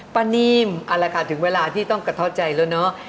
ป้านีมเอาละค่ะถึงเวลาที่ต้องกระเทาะใจแล้วเนอะ